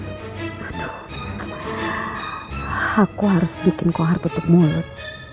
aku harus bikin kohar tutup mulut